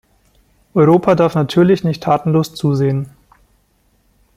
Europa darf natürlich nicht tatenlos zusehen.